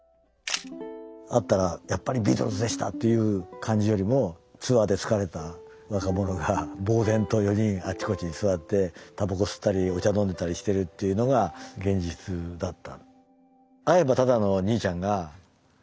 「会ったらやっぱりビートルズでした」という感じよりもツアーで疲れた若者がぼう然と４人あちこちに座ってタバコ吸ったりお茶飲んでたりしてるというのが現実だった。